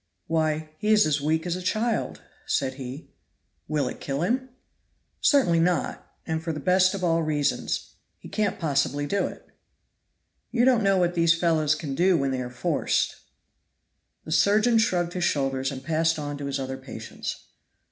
"Why, he is as weak as a child," said he. "Will it kill him?" "Certainly not; and for the best of all reasons. He can't possibly do it." "You don't know what these fellows can do when they are forced." The surgeon shrugged his shoulders and passed on to his other patients.